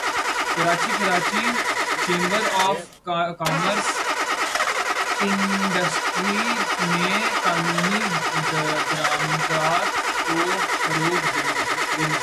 Karachi Karachi chamber of commerce and industry نے قانونی درآمدات کو فروغ دینے